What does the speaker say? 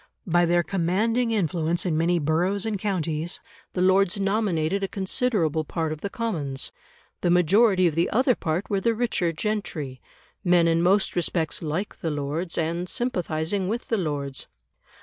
By their commanding influence in many boroughs and counties the Lords nominated a considerable part of the Commons; the majority of the other part were the richer gentry men in most respects like the Lords, and sympathising with the Lords.